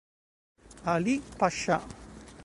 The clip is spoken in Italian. Alì Pascià